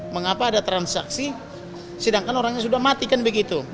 mengapa ada transaksi sedangkan orangnya sudah matikan begitu